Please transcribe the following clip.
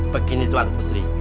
begini tuan putri